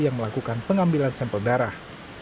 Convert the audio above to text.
yang melakukan pengambilan sampel darah